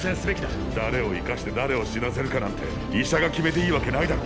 誰を生かして誰を死なせるかなんて医者が決めていいわけないだろ。